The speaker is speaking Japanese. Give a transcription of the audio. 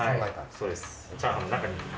そうです。